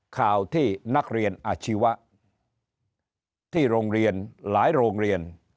ข่าวที่นักเรียนอาชีวะที่โรงเรียนหลายโรงเรียน